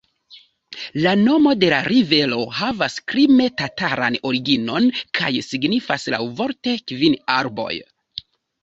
La nomo de la rivero havas krime-tataran originon kaj signifas laŭvorte «kvin arboj».